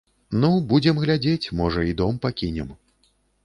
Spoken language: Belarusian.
Ну, будзем глядзець, можа, і дом пакінем.